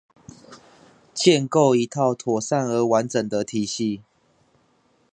建構一套妥善而完整的體系